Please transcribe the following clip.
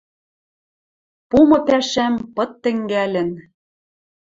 Пумы пӓшӓм пыт тӹнгӓлӹн